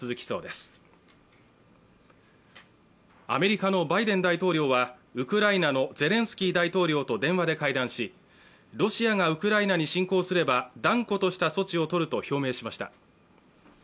アメリカのバイデン大統領はウクライナのゼレンスキー大統領と電話で会談し、ロシアがウクライナに侵攻すれば断固とした措置をとると表明しました。